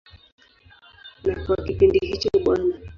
Na kwa kipindi hicho Bw.